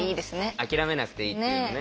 諦めなくていいっていうのね。